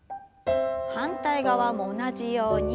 反対側も同じように。